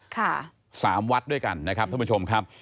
ค่ะสามวัดด้วยกันนะครับท่านผู้ชมครับ